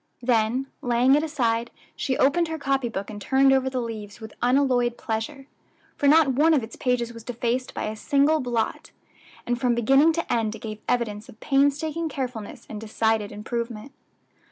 Then, laying it aside, she opened her copy book and turned over the leaves with unalloyed pleasure, for not one of its pages was defaced by a single blot, and from beginning to end it gave evidence of painstaking carefulness and decided improvement.